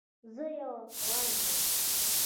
زه یو افغان یم